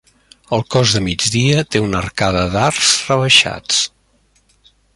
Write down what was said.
El cos de migdia té una arcada d'arcs rebaixats.